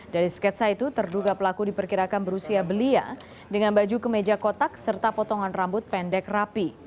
dari sketsa itu terduga pelaku diperkirakan berusia belia dengan baju kemeja kotak serta potongan rambut pendek rapi